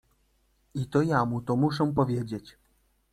I to ja mu to muszę powiedzieć.